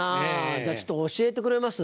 じゃあちょっと教えてくれます？